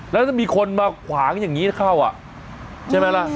แล้วถ้ามีคนมาขวางอย่างนี้เข้าใช่ไหมล่ะ